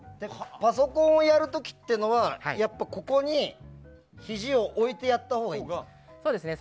パソコンをやる時っていうのはここにひじを置いてやったほうがいいんですか？